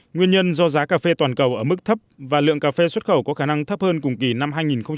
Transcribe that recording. nguyên nhân do giá cà phê toàn cầu ở mức thấp và lượng cà phê xuất khẩu có khả năng thấp hơn cùng kỳ năm hai nghìn một mươi tám